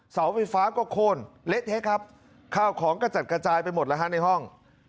เสาไฟฟ้าก็โค้นเละเทะครับข้าวของกระจัดกระจายไปหมดแล้วฮะในห้อง